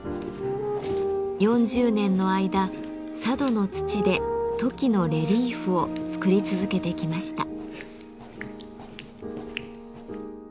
４０年の間佐渡の土でトキのレリーフを作り続けてきました。